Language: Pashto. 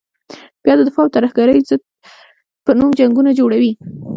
بیا د دفاع او ترهګرې ضد په نوم جنګونه جوړوي.